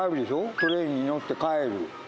トレインに乗って帰る。